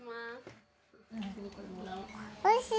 おいしい！